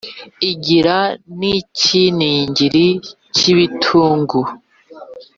igira n’ icyinigiri cy’ ibitugu,